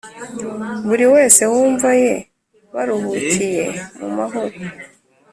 buri wese mu mva ye baruhukiye mu mahoro.